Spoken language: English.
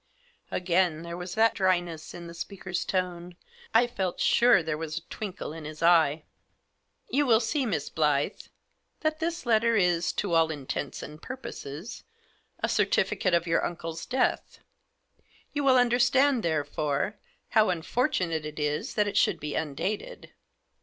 Again t&ere was that dryness in the speaker's tone. I felt sure there was a twinkle in his eye. " You will see, Miss Blyth, that this letter is, to all intents and purposes, a certificate of your uncle's death ; you will understand, therefore, how unfortunate it is that it should be undated.